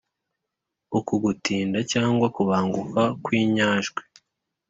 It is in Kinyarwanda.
uku gutinda cyangwa kubanguka kw'inyajwi